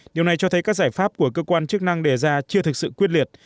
điều này cho thấy các giải pháp của cơ quan chức năng đề ra chưa thực sự quyết liệt